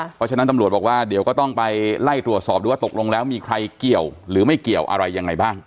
เพราะฉะนั้นตำรวจบอกว่าเดี๋ยวก็ต้องไปไล่ตรวจสอบดูว่าตกลงแล้วมีใครเกี่ยวหรือไม่เกี่ยวอะไรยังไงบ้าง